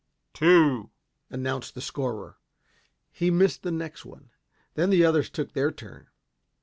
"Two," announced the scorer. He missed the next one. Then the others took their turn.